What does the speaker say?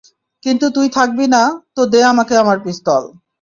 কিন্তু তুই থাকবি না, তো দে আমাকে আমার পিস্তল।